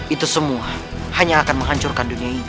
itu semua hanya akan menghancurkan dunia ini